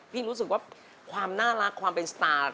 รู้สึกว่าความน่ารักความเป็นสตาร์